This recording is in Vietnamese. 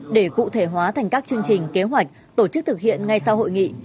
để cụ thể hóa thành các chương trình kế hoạch tổ chức thực hiện ngay sau hội nghị